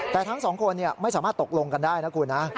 แต่ทั้งสองคนไม่สามารถตกลงกันได้นะคุณนะ